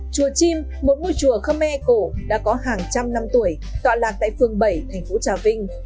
chùa chim một ngôi chùa khơ me cổ đã có hàng trăm năm tuổi tọa lạc tại phường bảy thành phố trà vinh